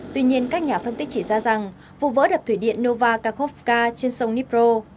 tuy nhiên các nhà phân tích chỉ ra rằng vụ vỡ đập thủy điện nova kharkovka trên sông dnipro